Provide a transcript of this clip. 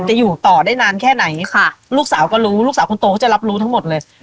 อยู่ต่อได้นานแค่ไหนค่ะลูกสาวก็รู้ลูกสาวคนโตก็จะรับรู้ทั้งหมดเลย